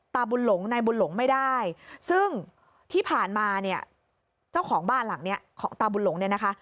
บุญหลงนายบุญหลงไม่ได้ซึ่งที่ผ่านมาเนี่ยเจ้าของบ้านหลังเนี้ยของตาบุญหลงเนี่ยนะคะ